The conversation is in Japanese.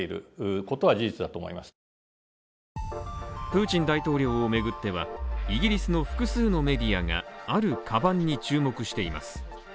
プーチン大統領を巡っては、イギリスの複数のメディアがあるカバンに注目しています。